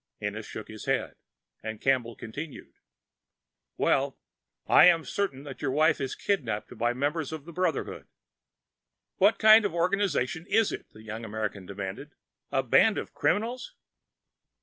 Ennis shook his head, and Campbell continued, "Well, I am certain your wife was kidnapped by members of the Brotherhood." "What kind of an organization is it?" the young American demanded. "A band of criminals?"